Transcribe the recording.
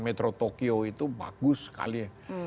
metro tokyo itu bagus sekali